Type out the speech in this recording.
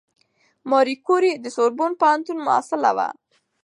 ماري کوري د سوربون پوهنتون محصله وه.